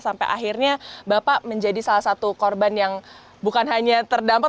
sampai akhirnya bapak menjadi salah satu korban yang bukan hanya terdampak